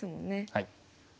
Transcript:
はい。